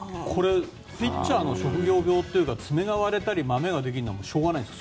ピッチャーの職業病というか爪が割れたりまめができるのはしょうがないんですか？